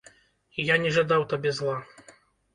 Я не жадаў табе зла.